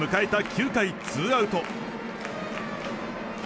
９回ツーアウト。